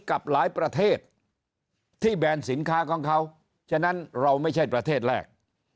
กับหลายประเทศที่แบนสินค้าของเขาฉะนั้นเราไม่ใช่ประเทศแรก